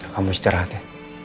kamu istirahat ya